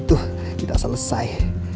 tuh kita selesai